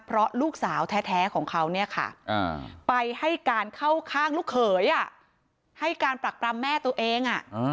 เพราะลูกสาวแท้ของเขาเนี่ยค่ะไปให้การเข้าข้างลูกเขยให้การปรักปรำแม่ตัวเอง